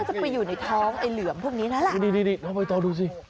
ก็จะไปอยู่ในท้องเหลือมพวกนี้น่ะนี่ต่อดูสิ